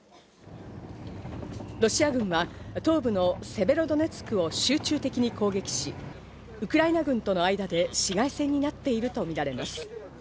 ロシア軍は東部のセベロドネツクを集中的に攻撃し、ウクライナ軍との間で市街戦になっているとみられます。